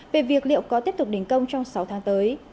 về việc liệu có tiếp tục đình công trong sáu tháng tới